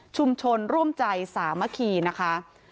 ชุมชนร่วมใจสามคีนะคะ